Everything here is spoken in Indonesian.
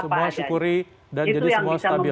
semua syukuri dan jadi semua stabil